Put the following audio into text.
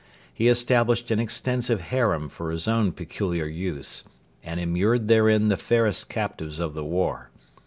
He established an extensive harem for his own peculiar use, and immured therein the fairest captives of the war.